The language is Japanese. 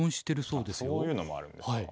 そういうのもあるんですか。